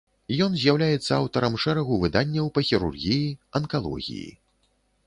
Ён з'яўляецца аўтарам шэрагу выданняў па хірургіі, анкалогіі.